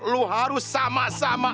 lu harus sama sama